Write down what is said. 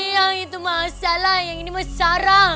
yang itu masalah yang ini masalah